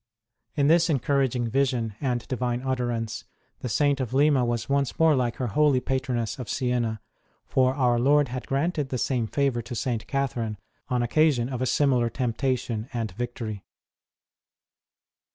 In this encouraging vision and Divine utterance the Saint of Lima was once more like her holy patroness of Siena ; for our Lord had granted the same favour to St. Catherine, on occasion of a similar temptation and victory.